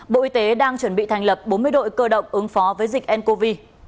bộ y tế đang chuẩn bị thành lập bốn mươi đội cơ động ứng phó với dịch ncov